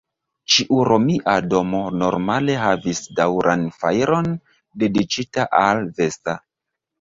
Ĉiu romia domo normale havis daŭran fajron dediĉita al Vesta.